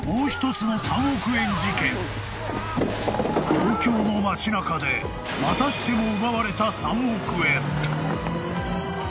［東京の街中でまたしても奪われた３億円］